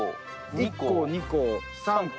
１個２個３個。